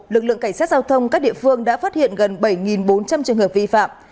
lực lượng cảnh sát giao thông các địa phương đã phát hiện gần bảy bốn trăm linh trường hợp vi phạm